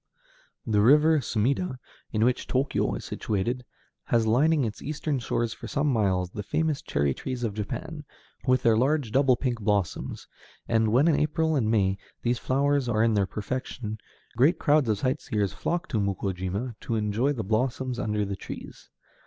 The river Sumida, on which Tōkyō is situated, has lining its eastern shore for some miles the famous cherry trees of Japan, with their large, double pink blossoms, and when, in April and May, these flowers are in their perfection, great crowds of sightseers flock to Mukōjima to enjoy the blossoms under the trees.